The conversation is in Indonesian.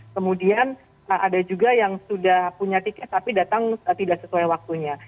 kemudian ada juga yang sudah punya tiket tapi datang tidak sesuai waktunya